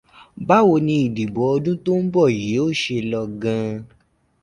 Báwo ni ìdìbò ọdún tó ń bọ̀ yí ó ṣe lọ gan-an?